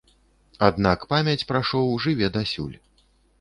Аднак памяць пра шоў жыве дасюль.